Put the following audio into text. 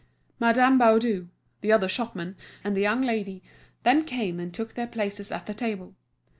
Madame Baudu, the other shopman, and the young lady then came and took their places at the table.